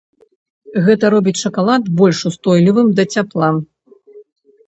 Гэта робіць шакалад больш устойлівым да цяпла.